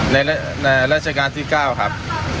ในราชการที่เก้าครับ